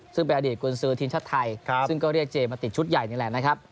ซึ่งเป็นอดีตกุญสือทีมชาติไทยซึ่งก็เรียกเจมาติดชุดใหญ่นี่แหละนะครับ